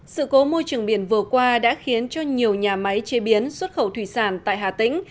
sự cố môi trường biển vừa qua đã khiến cho nhiều nhà máy chế biến xuất khẩu thủy sản tại hà tĩnh